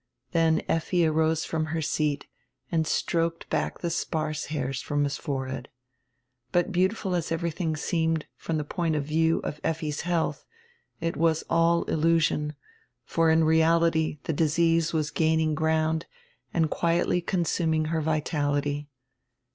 Then Effi arose from her seat and stroked back die sparse hairs from his forehead. But beautiful as everydiing seemed from die point of view of Elfi's health, it was all illusion, for in reality die disease was gaining ground and quiedy consuming her vitality.